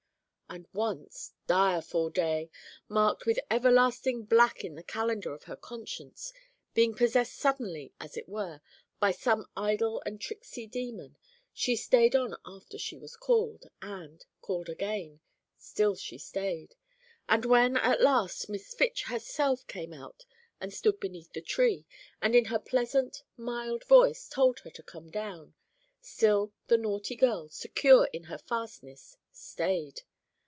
And once, direful day! marked with everlasting black in the calendar of her conscience, being possessed suddenly, as it were, by some idle and tricksy demon, she stayed on after she was called, and, called again, she still stayed; and when, at last, Miss Fitch herself came out and stood beneath the tree, and in her pleasant, mild voice told her to come down, still the naughty girl, secure in her fastness, stayed.